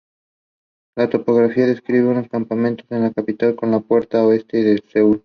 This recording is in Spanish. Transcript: La topografía describe unos campamentos en la capital con la puerta oeste de Seúl.